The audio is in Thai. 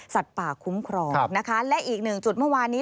ป่าคุ้มครองนะคะและอีกหนึ่งจุดเมื่อวานนี้